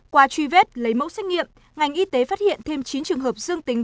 qua truy vết lấy mẫu xét nghiệm ngành y tế phát hiện thêm chín trường hợp dương tính